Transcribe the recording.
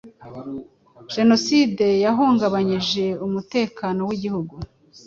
Jenoside yahungabanyije umutekano w’Igihugu.